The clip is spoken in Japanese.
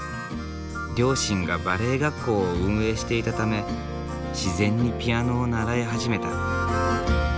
両親がバレエ学校を運営していたため自然にピアノを習い始めた。